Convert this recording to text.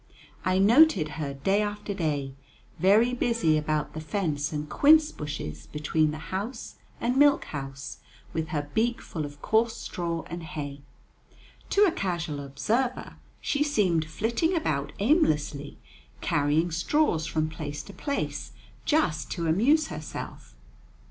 I noted her day after day, very busy about the fence and quince bushes between the house and milk house, with her beak full of coarse straw and hay. To a casual observer, she seemed flitting about aimlessly, carrying straws from place to place just to amuse herself.